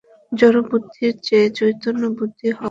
জড়বুদ্ধির চেয়ে চৈতন্যবুদ্ধি হওয়া ভাল।